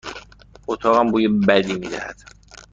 اتاقم بوی بدی می دهد.